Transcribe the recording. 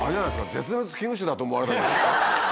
絶滅危惧種だと思われた。